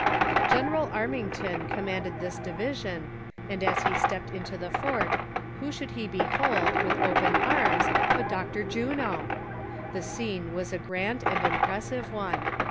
General Armington commanded this division, and as he stepped into the fort who should he behold, with open arms, but Dr. Juno ! The scene was a grand and impressive one